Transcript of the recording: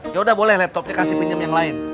ya udah boleh laptopnya kasih pinjam yang lain